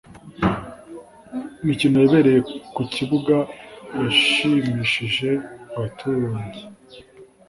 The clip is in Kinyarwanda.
Imikino yabereye ku kibuga yashimishije abaturange